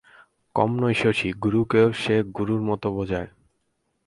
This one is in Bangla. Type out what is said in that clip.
কম নয় শশী, গুরুকে সে গুরুর মতো বোঝায়।